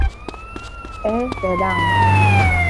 É verán.